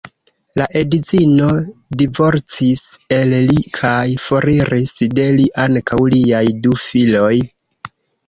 La edzino divorcis el li kaj foriris de li ankaŭ liaj du filoj.